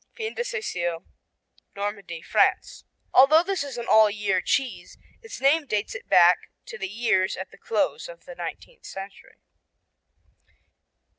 Fin de Siècle Normandy, France Although this is an "all year" cheese its name dates it back to the years at the close of the nineteenth century.